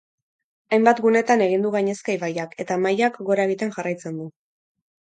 Hainbat gunetan egin du gainezka ibaiak, eta mailak gora egiten jarraitzen du.